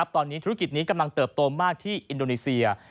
ตอนนี้ธุรกิจนี้กำลังเติบโตมากที่อินโดนีเซีย